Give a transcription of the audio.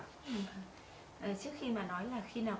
trước khi mà nói là khi nào